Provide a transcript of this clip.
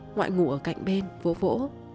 ngoại ngủ ở cạnh bên vỗ vỗ